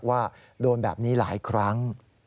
ว่าโดนแบบนี้หลายครั้ง